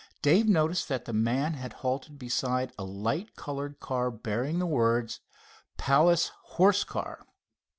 Dave noticed that the man had halted beside a light colored car bearing the words: "Palace Horse Car."